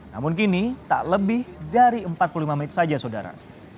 namun kini tak lebih dari empat puluh lima menit saja saudara